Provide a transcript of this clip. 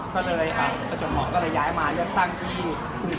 ก็เลยประจวนห่อก็เลยย้ายมาเลือกตั้งที่กรุงเทพฯแล้วกัน